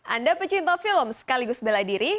anda pecinta film sekaligus bela diri